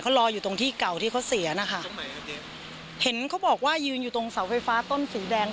รออยู่ตรงที่เก่าที่เขาเสียนะคะเห็นเขาบอกว่ายืนอยู่ตรงเสาไฟฟ้าต้นสีแดง